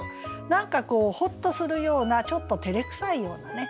なんかこうホッとするようなちょっとてれくさいようなね